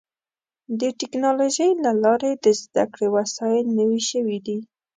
د ټکنالوجۍ له لارې د زدهکړې وسایل نوي شوي دي.